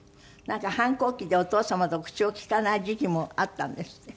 なんか反抗期でお父様と口を利かない時期もあったんですって？